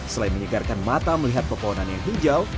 selain menyegarkan mata melihat pepohonan yang hijau